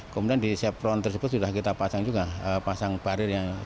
kemudian di sepron tersebut sudah kita pasang juga pasang barir yang cukup